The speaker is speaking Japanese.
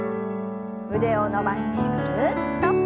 腕を伸ばしてぐるっと。